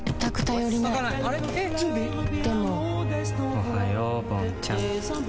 おはようぼんちゃん。